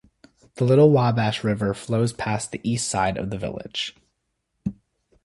The Little Wabash River flows past the east side of the village.